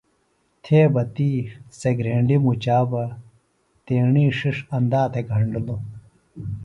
تھے بہ تی سےۡ گھِرینڈ مُچا تیݨی ݜݜ اندا تھےۡ گھنڈِلوۡ